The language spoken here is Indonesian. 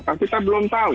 kan kita belum tahu